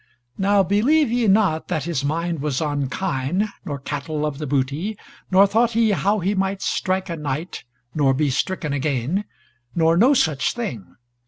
Now believe ye not that his mind was on kine, nor cattle of the booty, nor thought he how he might strike a knight, nor be stricken again: nor no such thing.